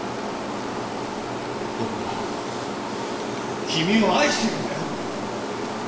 僕は君を愛してるんだよ！